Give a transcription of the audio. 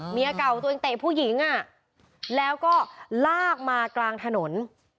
เมียเก่าตัวเองเตะผู้หญิงอ่ะแล้วก็ลากมากลางถนน